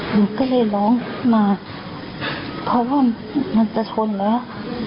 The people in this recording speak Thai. หนูก็เลยร้องมาเพราะว่ามันจะชนแล้ว